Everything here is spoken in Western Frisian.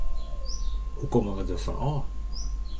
Hoe komme we derfan ôf?